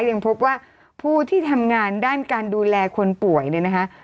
ยังพบว่าผู้ที่ทำงานด้านการดูแลคนป่วยเนี่ยนะคะ